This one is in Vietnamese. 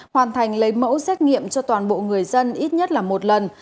hoàn thành lấy mẫu xét nghiệm cho toàn bộ người dân ít nhất là một lần